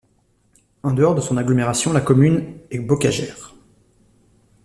En dehors de son agglomération, la commune est bocagère.